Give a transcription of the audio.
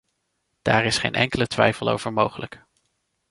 Daar is geen enkele twijfel over mogelijk.